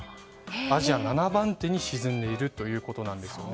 アジア７番手に沈んでいるということです。